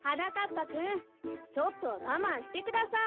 ぱくんちょっとはがまんしてください。